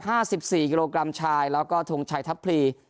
ห้าสิบสี่กิโลกรัมชายแล้วก็ทงชัยทัพพลี